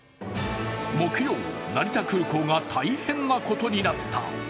木曜、成田空港が大変なことになった。